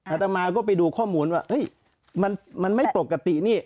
อาจารย์มาก็ไปดูข้อมูลว่ามันไม่ปกตินี่